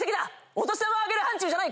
お年玉をあげる範疇じゃない！